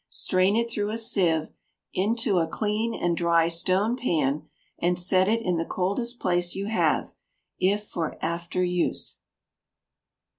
Strain it through a sieve in to a clean and dry stone pan, and set it in the coldest place you have, if for after use.